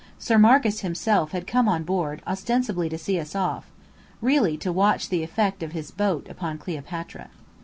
Sir Marcus himself had come on board ostensibly to see us off, really to watch the effect of his boat upon Cleopatra.